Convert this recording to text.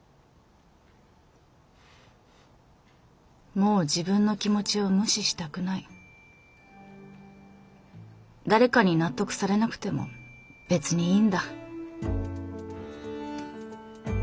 もう自分の気持ちを無視したくない誰かに納得されなくても別にいいんだ